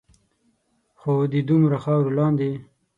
خو د دومره خاورو لاندے